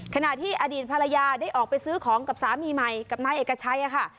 ขณะที่อดีตภรรยาได้ออกไปซื้อของกับสามีใหม่กับนายเอกชัยค่ะ